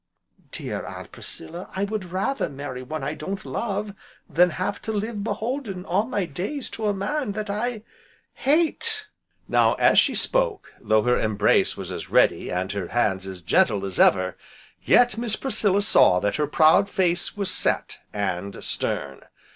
"Dear Aunt Priscilla, I would rather marry one I don't love than have to live beholden all my days to a man that I hate!" Now, as she spoke, though her embrace was as ready, and her hands as gentle as ever, yet Miss Priscilla saw that her proud face was set, and stern.